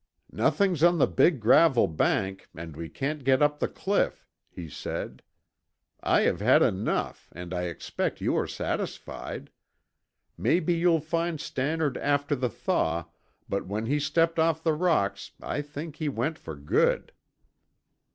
"Nothing's on the big gravel bank and we can't get up the cliff," he said. "I have had enough and I expect you are satisfied. Maybe you'll find Stannard after the thaw, but when he stepped off the rocks I think he went for good."